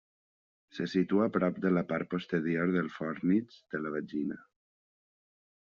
Se situa prop de la part posterior del fòrnix de la vagina.